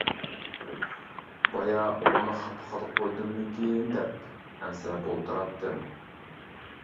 بايا ئۇنى خاپا قىلىپ قويدۇممىكىن، دەپ ئەنسىرەپ ئولتۇراتتىم.